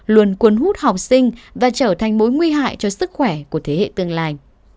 luôn cuốn hút học sinh và trở thành mối nguy hại cho sức khỏe của thế hệ tương lai